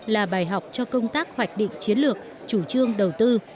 là bài học cho công tác hoạch định chiến lược chủ trương đầu tư